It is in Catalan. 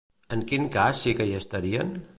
En quin cas sí que hi estarien?